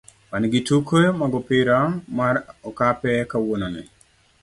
wan gi tuke mag opira mar okape kawuononi.